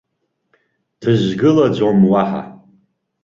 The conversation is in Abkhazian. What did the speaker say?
Дызгылаӡом уаҳа.